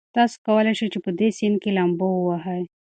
تاسي کولای شئ په دې سیند کې لامبو ووهئ.